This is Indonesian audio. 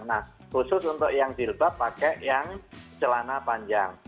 nah khusus untuk yang jilbab pakai yang celana panjang